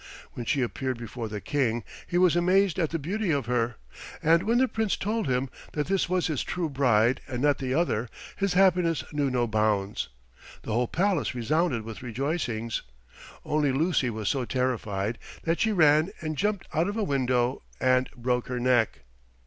When she appeared before the King he was amazed at the beauty of her, and when the Prince told him that this was his true bride and not the other, his happiness knew no bounds. The whole palace resounded with rejoicings. Only Lucy was so terrified that she ran and jumped out of a window and broke her neck.